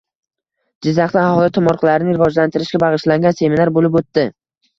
Jizzaxda aholi tomorqalarini rivojlantirishga bag‘ishlangan seminar bo‘lib o‘tdi